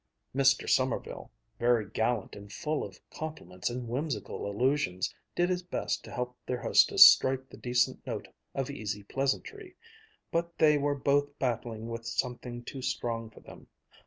Mr. Sommerville, very gallant and full of compliments and whimsical allusions, did his best to help their hostess strike the decent note of easy pleasantry; but they were both battling with something too strong for them.